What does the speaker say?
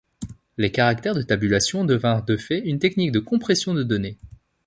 Les caractères de tabulation devinrent de fait une technique de compression de données.